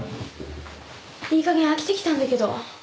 いいかげん飽きてきたんだけど。